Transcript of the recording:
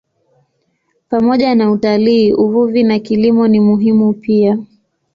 Pamoja na utalii, uvuvi na kilimo ni muhimu pia.